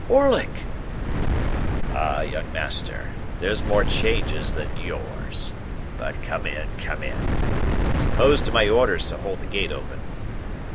"Orlick!" "Ah, young master, there's more changes than yours. But come in, come in. It's opposed to my orders to hold the gate open."